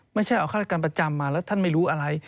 ไม่ใช่เอาฆาตการประจำมาแล้วท่านไม่รู้อะไร